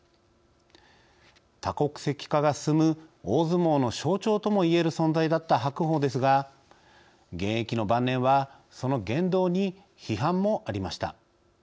多国籍化が進む大相撲の象徴とも言える存在だった白鵬ですが現役の晩年はその言動に批判もありました。